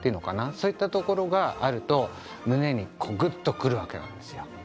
そういったところがあると胸にグッとくるわけなんですよ